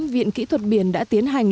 viện kỹ thuật biển đã tiến hành